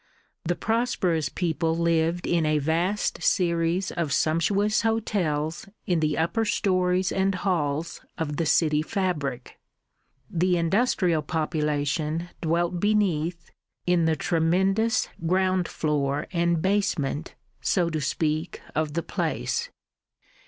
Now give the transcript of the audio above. The prosperous people lived in a vast series of sumptuous hotels in the upper storeys and halls of the city fabric; the industrial population dwelt beneath in the tremendous ground floor and basement, so to speak, of the place.